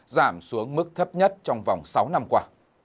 giảm xuống mức thấp nhất trong vòng sáu năm qua